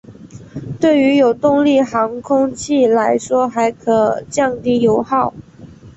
对于有动力航空器来说还可降低油耗。